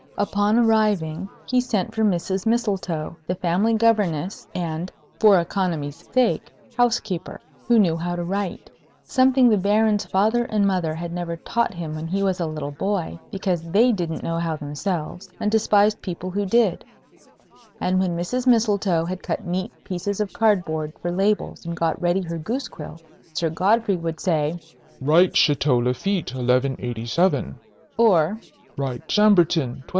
Upon arriving, he sent for Mrs. Mistletoe, the family governess and (for economy's sake) housekeeper, who knew how to write, something the Baron's father and mother had never taught him when he was a little boy, because they didn't know how themselves, and despised people who did, and when Mrs. Mistletoe had cut neat pieces of card board for labels and got ready her goose quill, Sir Godfrey would say, "Write, Château Lafitte, 1187;" or, "Write, Chambertin, 1203."